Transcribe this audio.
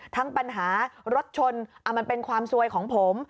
ทั้งปัญหารถชนมันเป็นความซวยของผม